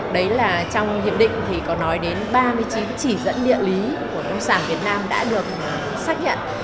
đấy là trong hiệp định thì có nói đến ba mươi chín chỉ dẫn địa lý của nông sản việt nam đã được xác nhận